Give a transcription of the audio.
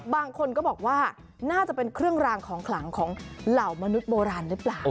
บางคนก็บอกว่าน่าจะเป็นเครื่องรางของขลังของเหล่ามนุษย์โบราณหรือเปล่า